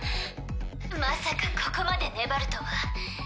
まさかここまで粘るとは。